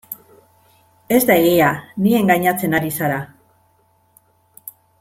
Ez da egia, ni engainatzen ari zara.